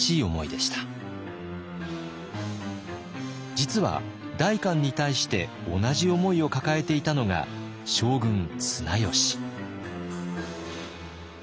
実は代官に対して同じ思いを抱えていたのが将軍綱吉。